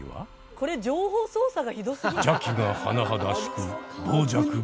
これ情報操作がひどすぎない？